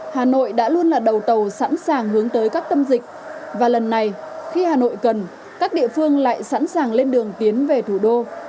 hà nội đã luôn là đầu tàu sẵn sàng hướng tới các tâm dịch và lần này khi hà nội cần các địa phương lại sẵn sàng lên đường tiến về thủ đô